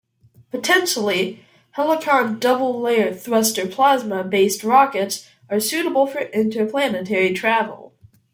Potentially, Helicon Double Layer Thruster plasma based rockets are suitable for interplanetary travel.